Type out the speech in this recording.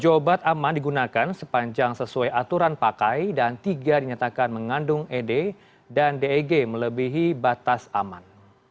tujuh obat aman digunakan sepanjang sesuai aturan pakai dan tiga dinyatakan mengandung ed dan deg melebihi batas aman